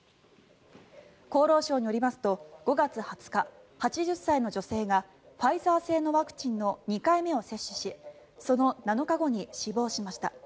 厚労省によりますと５月２０日、８０歳の女性がファイザー製のワクチンの２回目を接種しその７日後に死亡しました。